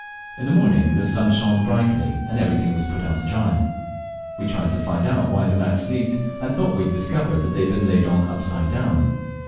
In the morning the sun shone brightly, and everything was put out to dry. We tried to find out why the mats leaked, and thought we had discovered that they had been laid on upside down.